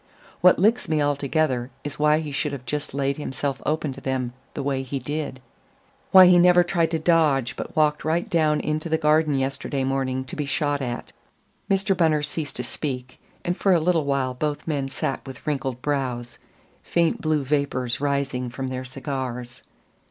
What licks me altogether is why he should have just laid himself open to them the way he did why he never tried to dodge, but walked right down into the garden yesterday morning to be shot at." Mr. Bunner ceased to speak, and for a little while both men sat with wrinkled brows, faint blue vapors rising from their cigars.